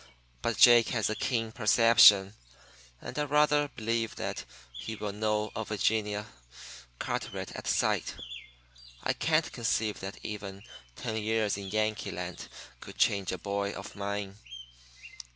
But Jake has a keen perception, and I rather believe that he will know a Virginia Carteret at sight. I can't conceive that even ten years in Yankee land could change a boy of mine.